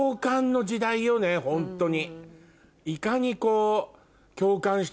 ホントに。